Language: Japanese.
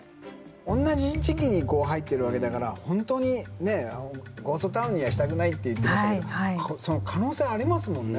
おんなじ時期に入ってるわけだから本当にゴーストタウンにはしたくないって言ってましたけどその可能性はありますもんね？